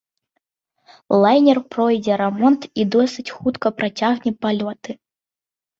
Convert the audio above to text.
Лайнер пройдзе рамонт і досыць хутка працягне палёты.